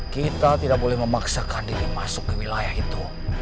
kita tidak boleh memaksakan diri masuk ke wilayah itu